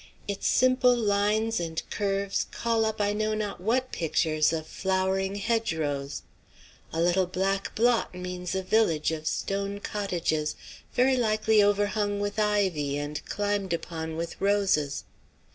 Its simple lines and curves call up I know not what pictures of flowering hedgerows; a little black blot means a village of stone cottages, very likely overhung with ivy and climbed upon with roses."